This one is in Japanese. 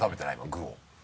具を。